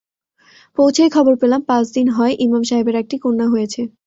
পৌঁছেই খবর পেলাম পাঁচ দিন হয় ইমাম সাহেবের একটি কন্যা হয়েছে।